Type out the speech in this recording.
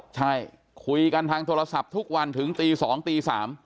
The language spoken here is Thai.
ใช่คุยกันทางโทรศัพท์ทุกวันถึงตี๒ตี๓